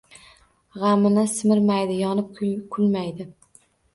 G’amni simirmaydi, yonib kulmaydi